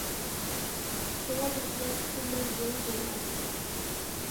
شۇڭا بىزگە پۈتۈنلەي يېڭى تېما ئەۋەتىڭ.